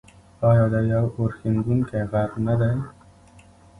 آیا دا یو اورښیندونکی غر نه دی؟